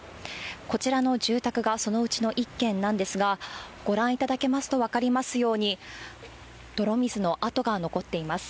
こちらの住宅がそのうちの１軒なんですが、ご覧いただけますと分かりますように、泥水の跡が残っています。